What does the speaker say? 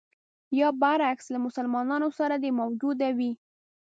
یا برعکس له مسلمانانو سره دې موجوده وي.